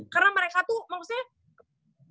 karena mereka tuh maksudnya